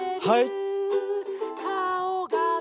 はい！